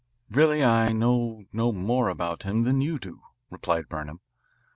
"Really, I know no more about him than you do," replied Burnham.